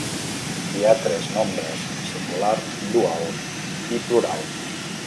Hi ha tres nombres, singular, dual i plural.